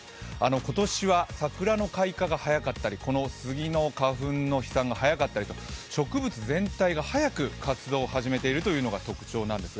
今年は桜の開花が早かったりスギの花粉の飛散が早かったりと、植物全体が早く活動を始めているというのが特徴です。